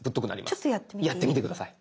ちょっとやってみていい？